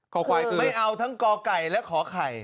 ควายคือไม่เอาทั้งก่อไก่และขอไข่